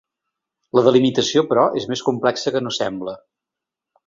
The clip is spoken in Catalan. La delimitació, però, és més complexa que no sembla.